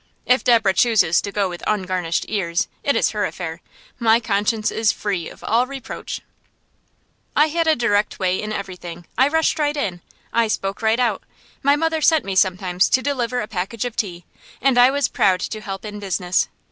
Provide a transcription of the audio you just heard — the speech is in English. If Deborah chooses to go with ungarnished ears, it is her affair; my conscience is free of all reproach. [Illustration: WINTER SCENE ON THE DVINA] I had a direct way in everything. I rushed right in I spoke right out. My mother sent me sometimes to deliver a package of tea, and I was proud to help in business.